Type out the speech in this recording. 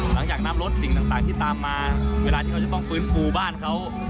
หลังจากน้ำลดสิ่งต่างที่ตามมาเวลาที่เขาจะต้องฟื้นฟูบ้านเขา